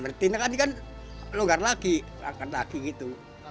berarti kan kan logan lagi akan lagi gitu